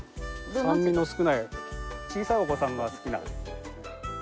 酸味の少ない小さいお子さんが好きな。